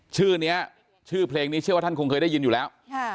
ชื่อนี้ชื่อเพลงนี้เชื่อว่าท่านคงเคยได้ยินอยู่แล้ว